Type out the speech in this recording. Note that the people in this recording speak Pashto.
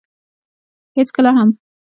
هېڅکله هم.